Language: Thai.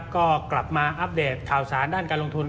ก็กลับมาอัปเดตข่าวสารด้านการลงทุน